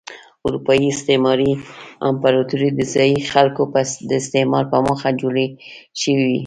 اروپايي استعماري امپراتورۍ د ځايي خلکو د استثمار په موخه جوړې شوې وې.